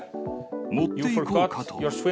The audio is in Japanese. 持っていこうかと。